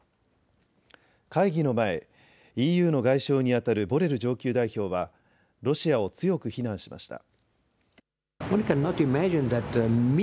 会議の前、ＥＵの外相にあたるボレル上級代表はロシアを強く非難しました。